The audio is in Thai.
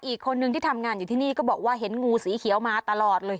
อีกคนนึงที่ทำงานอยู่ที่นี่ก็บอกว่าเห็นงูสีเขียวมาตลอดเลย